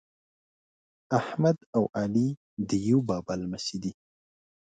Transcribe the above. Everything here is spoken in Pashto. احمد او علي د یوه بابا لمسي دي.